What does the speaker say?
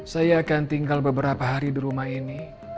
saya akan tinggal beberapa hari di rumah ini